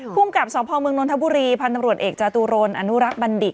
พุ่งกับสมภาพเมืองนทบุรีพันธ์ตำรวจเอกจาตุโรนอนุรักษ์บันดิก